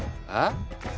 あっ？